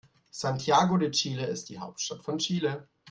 Santiago de Chile ist die Hauptstadt von Chile.